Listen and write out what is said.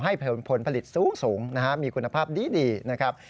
ให้ผลผลิตสูงนะฮะมีคุณภาพดีนะครับ